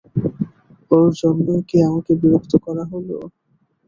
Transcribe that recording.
ওর জন্যই কি আমাকে বিরক্ত করা হল?